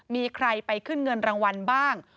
มีใครไปขึ้นเงินรางวัลบ้าง